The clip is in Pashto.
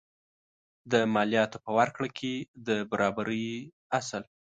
د مالیاتو په ورکړه کې د برابرۍ اصل.